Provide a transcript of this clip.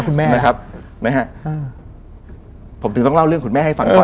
คุณแม่นะครับนะฮะอืมผมถึงต้องเล่าเรื่องคุณแม่ให้ฟังก่อน